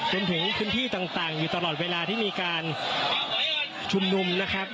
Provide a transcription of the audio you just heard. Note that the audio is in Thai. จนถึงพื้นที่ต่างอยู่ตลอดเวลาที่มีการชุมนุมนะครับ